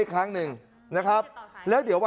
การเงินมันมีฝ่ายฮะ